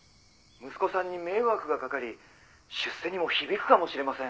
「息子さんに迷惑がかかり出世にも響くかもしれません」